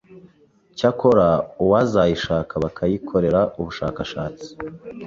cyakora uwazayishaka bakayikorera ubushakashatsi,